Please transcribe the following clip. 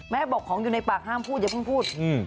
บอกของอยู่ในปากห้ามพูดอย่าเพิ่งพูด